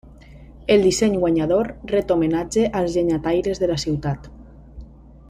El disseny guanyador ret homenatge als llenyataires de la ciutat.